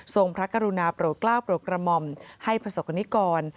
ทรงพระกรุณาโปรดกล้าโปรดกรมมให้พระศกรณิกร